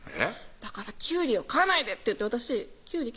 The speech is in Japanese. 「だからキュウリを買わないで！」って言って私キュウリ